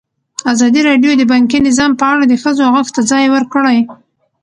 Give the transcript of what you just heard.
ازادي راډیو د بانکي نظام په اړه د ښځو غږ ته ځای ورکړی.